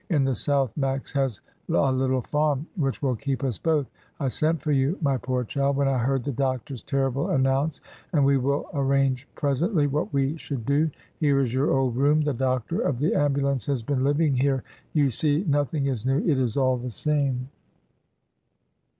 In the south Max has a little farm, which will keep us both. I sent for you, my poor child, when I heard the doctor's terrible an nounce, and we will arrange presently what we should do. Here is your old room; the doctor of the ambulance has been living here; you see nothing is new. It is all the same."